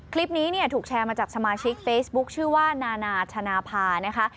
คลิปนี้เนี่ยถูกแชร์มาจากสมาชิกเฟซบุ๊คชื่อว่านานาชนาภานะคะ